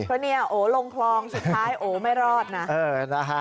เพราะเนี้ยโอลงคลองสุดท้ายโอไม่รอดนะเออนะฮะ